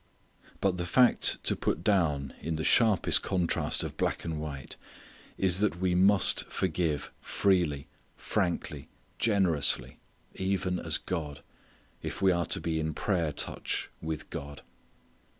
But the fact to put down in the sharpest contrast of white and black is that we must forgive freely, frankly, generously, "even as God," if we are to be in prayer touch with God.